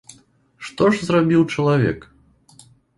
Што ж зрабіў чалавек?